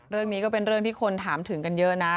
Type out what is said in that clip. เรื่องนี้ก็เป็นเรื่องที่คนถามถึงกันเยอะนะ